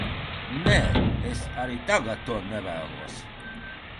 Nē, es arī tagad to nevēlos.